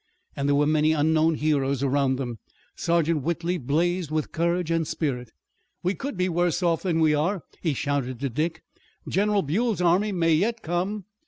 And there were many unknown heroes around them. Sergeant Whitley blazed with courage and spirit. "We could be worse off than we are!" he shouted to Dick. "General Buell's army may yet come!"